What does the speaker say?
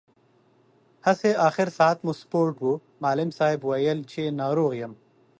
هسې، اخر ساعت مو سپورټ و، معلم صاحب ویل چې ناروغ یم.